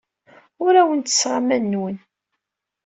Ur awen-ttesseɣ aman-nwen.